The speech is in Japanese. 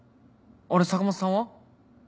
あれ坂本さんは？